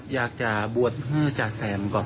อยากจะบวชเพื่อจ่าแซมก่อน